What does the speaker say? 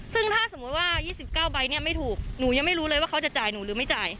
ซึ่งถ้าสมมุติว่า๒๙ใบเนี่ยไม่ถูกหนูยังไม่รู้เลยว่าเขาจะจ่ายหนูหรือไม่จ่าย